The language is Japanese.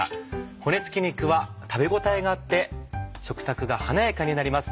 骨つき肉は食べ応えがあって食卓が華やかになります。